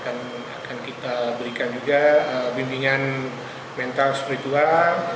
akan kita berikan juga bimbingan mental spiritual